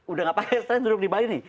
udah gak paham sekarang duduk di bali nih